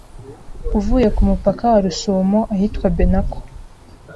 uvuye ku mupaka wa Rusumo, ahitwa Benako.